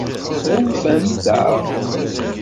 Tɣunfamt-aɣ?